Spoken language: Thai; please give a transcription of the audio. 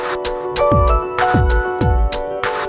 ฟังดักษ์